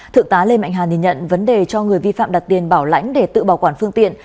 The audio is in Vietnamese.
thượng tá lê mạnh hà nhận vấn đề cho người vi phạm đặt tiền bảo lãnh để tự bảo quản phương tiện